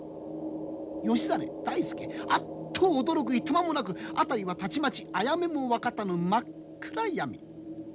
義実大助あっと驚くいとまもなく辺りはたちまちあや目も分かたぬ真っ暗闇。